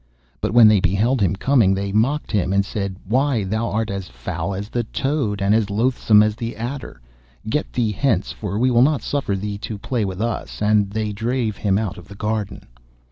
But when they beheld him coming, they mocked him and said, 'Why, thou art as foul as the toad, and as loathsome as the adder. Get thee hence, for we will not suffer thee to play with us,' and they drave him out of the garden.